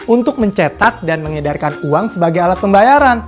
untuk mencetak dan mengedarkan uang sebagai alat pembayaran